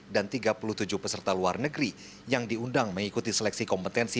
tiga puluh tujuh peserta luar negeri yang diundang mengikuti seleksi kompetensi